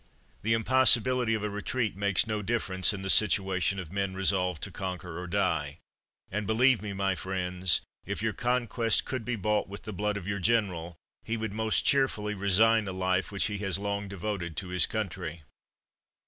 The impossibility of a retreat makes no differ ence in the situation of men resolved to conquer or die ; and, believe me, my friends, if your con quest could be bought with the blood of your general, he would most cheerfully resign a life which he has long devoted to his country.